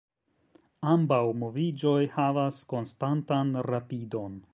Ambaŭ moviĝoj havas konstantan rapidon.